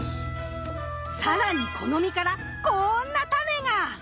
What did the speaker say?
更にこの実からこんなタネが！